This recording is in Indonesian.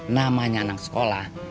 namanya anak sekolah